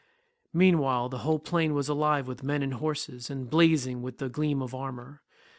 Meanwhile the whole plain was alive with men and horses, and blazing with the gleam of armour.